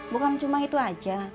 bukan cuma itu aja